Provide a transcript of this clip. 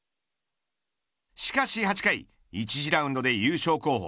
しかし８回１次ラウンドで優勝候補